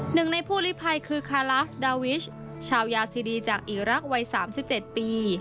หนึ่งในผู้ลิภัยคือคาลาฟดาวิชชาวยาซีดีจากอีรักษ์วัย๓๗ปี